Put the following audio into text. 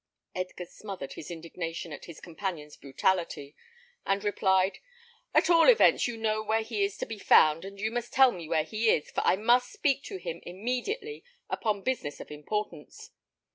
Edgar smothered his indignation at his companion's brutality, and replied, "At all events you know where he is to be found, and you must tell me where he is, for I must speak to him immediately upon business of importance."